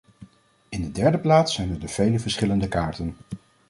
In de derde plaats zijn er de vele verschillende kaarten.